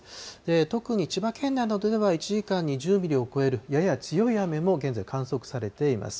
特に千葉県内などでは、１時間に１０ミリを超えるやや強い雨も現在、観測されています。